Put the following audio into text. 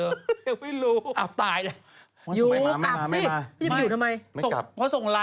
เหมือนไม่รู้อ้าวตายเลย